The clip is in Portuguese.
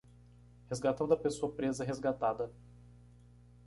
Resgatando a pessoa presa resgatada